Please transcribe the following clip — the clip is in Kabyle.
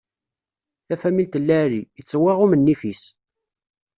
Tafamilt lɛali, ittwaɣumm nnif-is.